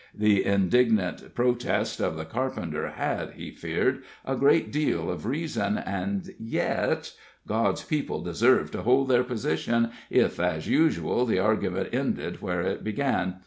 The indignant protest of the carpenter had, he feared, a great deal of reason, and yet God's people deserved to hold their position, if, as usual, the argument ended where it began.